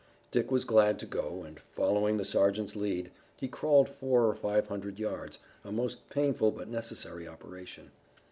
Dick was glad to go and, following the sergeant's lead, he crawled four or five hundred yards, a most painful but necessary operation.